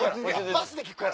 バスで聞くから。